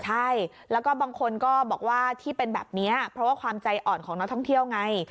ใช่แล้วก็บางคนก็บอกว่าที่เป็นแบบนี้เพราะว่าความใจอ่อนของนักท่องเที่ยวไง